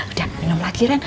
udah minum lagi ren